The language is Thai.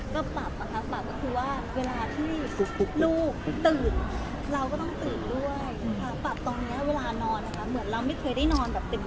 ก็ปรับนะคะปรับก็คือว่าเวลาที่ลูกตื่นเราก็ต้องตื่นด้วยปรับตรงนี้เวลานอนนะคะเหมือนเราไม่เคยได้นอนแบบเต็ม